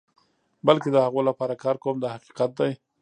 بلکې د هغو لپاره کار کوم دا حقیقت دی.